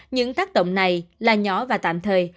những tác động này là nhỏ và tạm thời